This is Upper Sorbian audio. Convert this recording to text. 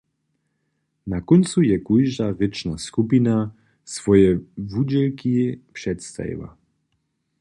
Na kóncu je kóžda rěčna skupina swoje wudźěłki předstajiła.